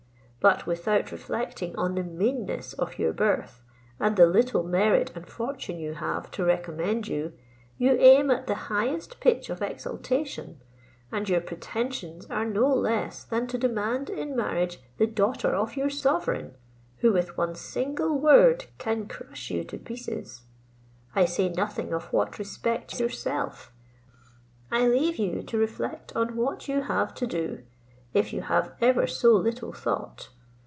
But without reflecting on the meanness of your birth, and the little merit and fortune you have to recommend you, you aim at the highest pitch of exaltation; and your pretensions are no less than to demand in marriage the daughter of your sovereign, who with one single word can crush you to pieces. I say nothing of what respects yourself. I leave you to reflect on what you have to do, if you have ever so little thought.